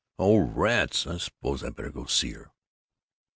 "Oh, rats, I suppose I better go see her."